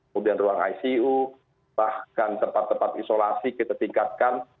kemudian ruang icu bahkan tempat tempat isolasi kita tingkatkan